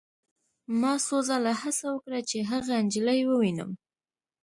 ما څو ځله هڅه وکړه چې هغه نجلۍ ووینم